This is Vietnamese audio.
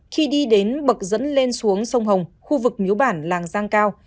khi đi đến bậc dẫn lên xuống sông hồng khu vực nhú bản làng giang cao